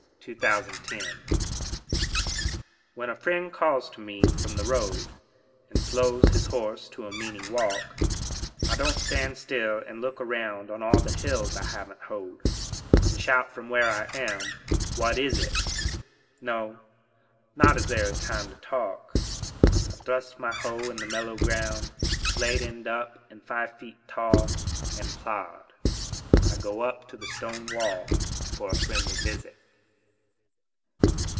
33 A TIME TO TALK When a friend calls to me from the road And slows his horse to a meaning walk, I don't stand still and look around On all the hills I haven't hoed, And shout from where I am, What is it? No, not as there is a time to talk. I thrust my hoe in the mellow ground, Blade end up and five feet tall, And plod: I go up to the stone wall For a friendly visit.